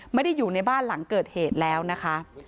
ไม่ได้อยู่ในบ้านหลังเกิดเหตุแล้วนะคะ